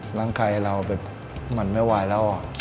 หลังกายเรามันไม่ไหวแล้ว